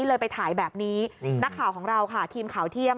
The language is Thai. ใช่น่ะคือคุณไม่ค่อยเยอะ